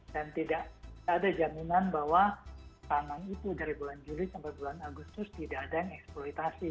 dan tidak ada jaminan bahwa panang itu dari bulan juli sampai bulan agustus tidak ada eksploitasi